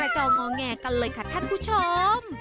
และเจ้างอแง่กันเลยค่ะท่านผู้ชม